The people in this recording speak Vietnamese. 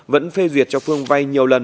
vẫn phê duyệt cho phương vay nhiều lần